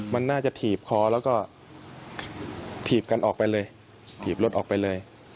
มันน่าจะถีบคอแล้วก็ถีบกันออกไปเลยถีบรถออกไปเลย